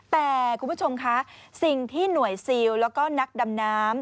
แต่คุณผู้ชมคะสิ่งที่หน่วยซิลแล้วก็นักดำน้ำ